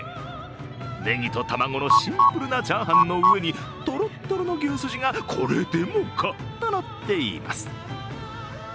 ねぎと卵のシンプルなチャーハンの上にとろっとろの牛すじが、これでもかとのっています。